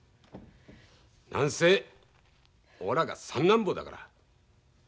何せおらが三男坊だから。